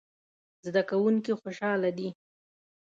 زده کوونکي خوشحاله دي